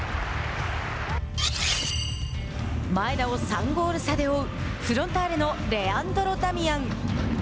前田を３ゴール差で追うフロンターレのレアンドロ・ダミアン。